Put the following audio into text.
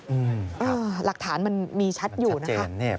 หรือหลักฐานมันมีชัดอยู่นะครับ